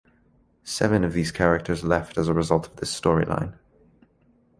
Seven of these characters left as a result of this storyline.